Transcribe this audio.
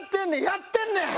やってんねん！